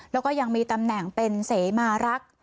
แล้วก็ยังมีตำแหน่งเป็นเสมารักษ์